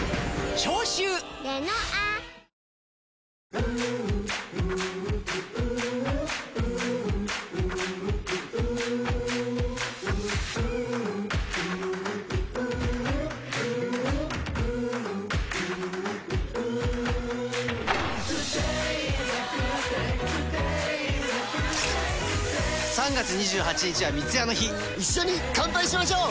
プシュッ３月２８日は三ツ矢の日一緒に乾杯しましょう！